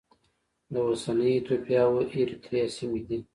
د اوسنۍ ایتوپیا او اریتریا سیمې دي.